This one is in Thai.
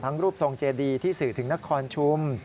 รูปทรงเจดีที่สื่อถึงนครชุม